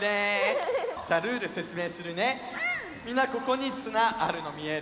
みんなここにつなあるのみえる？